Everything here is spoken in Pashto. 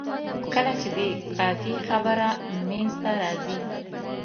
کله چې د قافیې خبره منځته راځي.